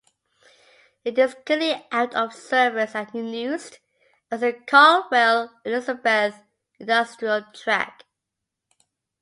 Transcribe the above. It is currently out of service and unused, as the Conrail Elizabeth Industrial Track.